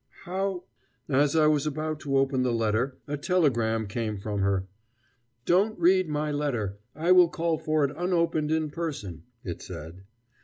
"How ?" "As I was about to open the letter, a telegram came from her. 'Don't read my letter: I will call for it unopened in person,' it said.